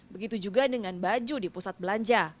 begitu juga dengan baju di pusat belanja